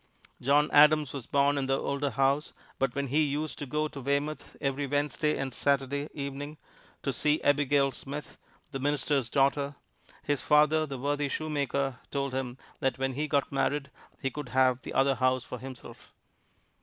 John Adams was born in the older house; but when he used to go to Weymouth every Wednesday and Saturday evening to see Abigail Smith, the minister's daughter, his father, the worthy shoemaker, told him that when he got married he could have the other house for himself.